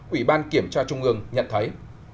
ủy ban kiểm tra trung ương nhận thấy